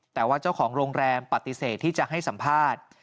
แต่ว่าเจ้าของโรงแรมปฏิเสธที่จะให้สัมภาษณ์